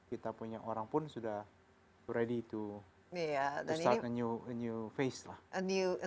kita punya orang pun sudah ready to start a new phase